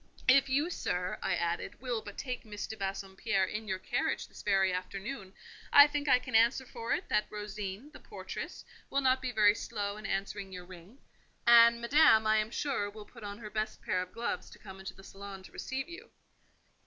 "If you, sir," I added, "will but take Miss de Bassompierre in your carriage this very afternoon, I think I can answer for it that Rosine, the portress, will not be very slow in answering your ring; and Madame, I am sure, will put on her best pair of gloves to come into the salon to receive you."